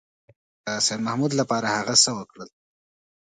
سیدمحمود لپاره هغه څه وکړل.